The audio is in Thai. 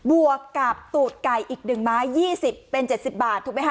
บัวกับตูดไก่อีกหนึ่งมายี่สิบเป็นเจ็ดสิบบาทถูกไหมฮะ